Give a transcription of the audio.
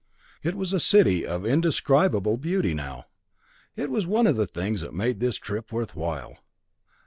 It was a city of indescribable beauty now. It was one of the things that made this trip worthwhile.